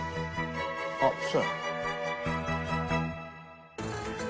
あっそうや。